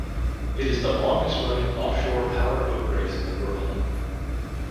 It is the longest-running offshore powerboat race in the world.